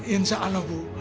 insya allah bu